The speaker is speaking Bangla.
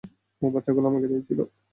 ওই বাচ্চাগুলো আমাকে দিয়েছিল।